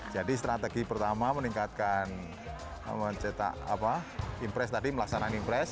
jadi strategi pertama meningkatkan ceta apa impress tadi melaksanakan impress